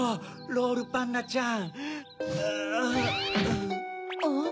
・ロールパンナちゃん！